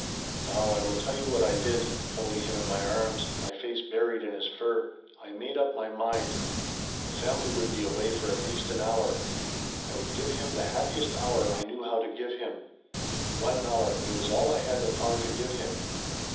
"Now I will tell you what I did. Holding him in my arms, my face buried in his fur I made up my mind. The family would be away for at least an hour. I would give him the happiest hour I knew how to give him. One hour it was all I had the power to give him.